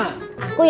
aku yang bulbul